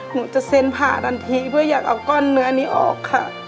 หนูจะเซ็นผ่าทันทีเพื่ออยากเอาก้อนเนื้อนี้ออกค่ะ